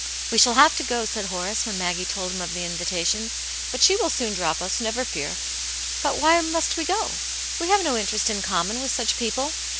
" We shall have to go," said Horace, when Maggie told him of the invitation. " But she will soon drop us, never fear." " But why must we go ? We have no interest ia common with such people.